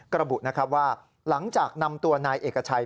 ระบุนะครับว่าหลังจากนำตัวนายเอกชัย